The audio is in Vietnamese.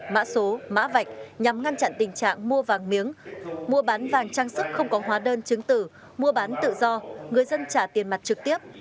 mã số mã vạch nhằm ngăn chặn tình trạng mua vàng miếng mua bán vàng trang sức không có hóa đơn chứng tử mua bán tự do người dân trả tiền mặt trực tiếp